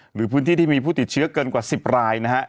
หรือพื้นที่ที่มีผู้ติดเชื้อเกินกว่า๑๐รายนะครับ